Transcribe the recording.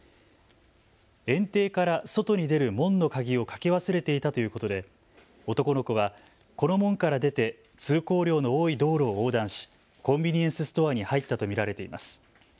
園庭から外に出る門の鍵をかけ忘れていたということで男の子はこの門から出て通行量の多い道路を横断しコンビニエンスストアに入ったと見られています。